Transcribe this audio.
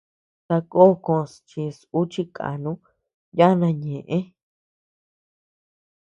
Sakó kos chis ú chi kànu yana ñeʼe.